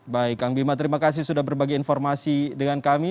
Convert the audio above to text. baik kang bima terima kasih sudah berbagi informasi dengan kami